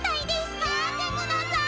待ってくださーい！